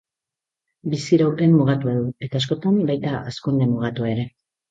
Biziraupen mugatua du, eta askotan, baita hazkunde mugatua ere.